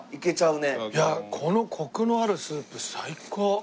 いやこのコクのあるスープ最高。